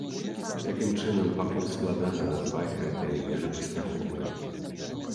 Такім чынам, пакуль складана назваць гэтыя меры паспяховымі.